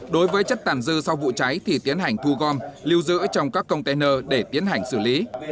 đối với chất tàn dư sau vụ cháy thì tiến hành thu gom lưu giữ trong các container để tiến hành xử lý